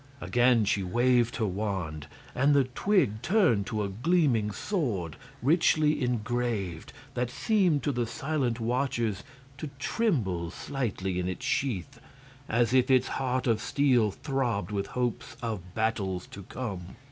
Again she waved her wand and the twig turned to a gleaming sword, richly engraved, that seemed to the silent watchers to tremble slightly in its sheath, as if its heart of steel throbbed with hopes of battles to come.